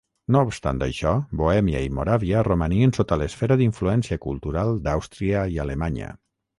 No obstant això, Bohèmia i Moràvia romanien sota l'esfera d'influència cultural d'Àustria i Alemanya.